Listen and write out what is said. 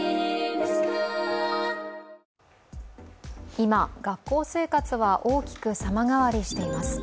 今、学校生活は大きく様変わりしています。